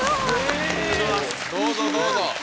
どうぞどうぞ。